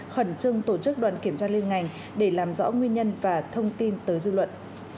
khẩn trương tổ chức đoàn kiểm tra liên ngành để làm rõ nguyên nhân và thông tin tới dư luận